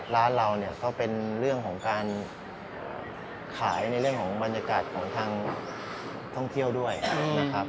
ร้านเราเนี่ยก็เป็นเรื่องของการขายในเรื่องของบรรยากาศของทางท่องเที่ยวด้วยนะครับ